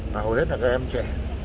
và hầu hết là các em trẻ